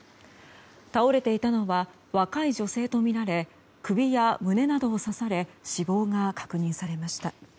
倒れていたのは若い女性とみられ首や胸などを刺され死亡が確認されました。